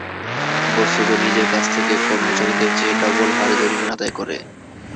বস্তুত নিজের কাছ থেকে কর্মচারীদের চেয়ে ডবল হারে জরিমানা আদায় করে।